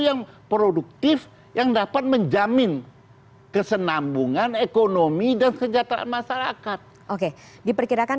yang produktif yang dapat menjamin kesenambungan ekonomi dan kesejahteraan masyarakat oke diperkirakan